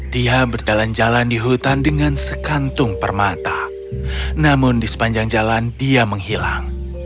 dia berjalan jalan di hutan dengan sekantung permata namun di sepanjang jalan dia menghilang